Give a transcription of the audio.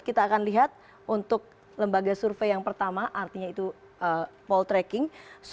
kita akan lihat untuk lembaga survei yang pertama artinya itu poltreking